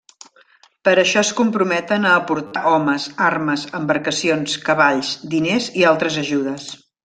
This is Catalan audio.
Per això es comprometen a aportar homes, armes, embarcacions, cavalls, diners i altres ajudes.